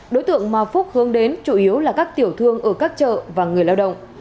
đối tượng mà phúc hướng đến chủ yếu là các tiểu thương ở các chợ và người lao động